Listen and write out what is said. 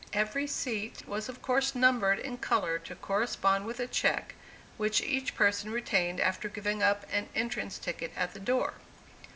Every seat was of course numbered in color to correspond with the check, which each person retained after giving up an entrance ticket at the door.